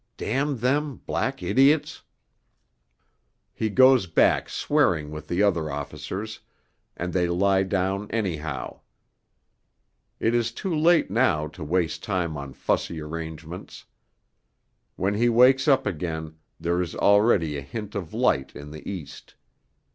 Damn them black idiots! He goes back swearing with the other officers, and they lie down anyhow; it is too late now to waste time on fussy arrangements. When he wakes up again there is already a hint of light in the East.